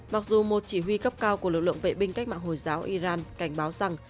mặc dù một chỉ huy cấp cao của lực lượng vệ binh cách mạng hồi giáo iran cảnh báo rằng